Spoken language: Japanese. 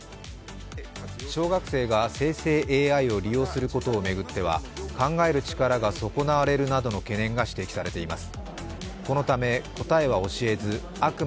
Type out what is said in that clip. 小学生が生成ＡＩを利用することを巡っては、考える力が損なわれるなどの懸念が指摘されています。